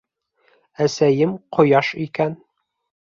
ӘСӘЙЕМ ҠОЯШ ИКӘН...